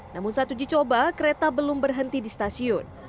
namun saat uji coba kereta belum berhenti di stasiun